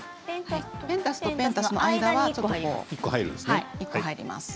ペンタスとペンタスの間に１個入ります。